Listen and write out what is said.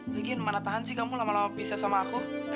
lagi mana tahan sih kamu lama lama pisah sama aku